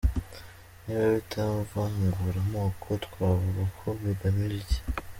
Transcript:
Niba bitavangura amoko, twavuga ko bigamije iki?